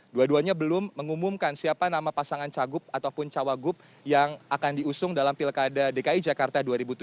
dua duanya belum mengumumkan siapa nama pasangan cagup ataupun cawagup yang akan diusung dalam pilkada dki jakarta dua ribu tujuh belas